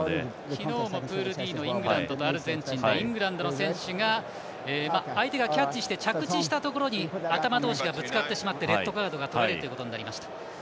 昨日もプールＢのイングランドとアルゼンチンでイングランドの選手が相手がキャッチして着地したところに頭同士がぶつかってしまってレッドカードとなりました。